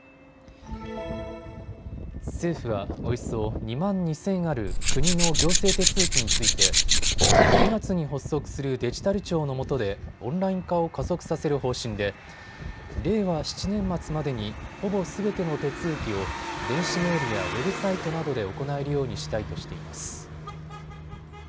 政府はおよそ２万２０００ある国の行政手続きについて９月に発足するデジタル庁のもとでオンライン化を加速させる方針で令和７年末までにほぼすべての手続きを電子メールやウェブサイトなどで行えるようにしたいとしています。